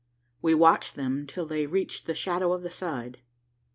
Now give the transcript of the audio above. We watched them till they reached the shadow of the side.